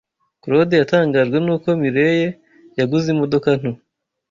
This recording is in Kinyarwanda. Claude yatangajwe nuko Mirelle yaguze imodoka nto.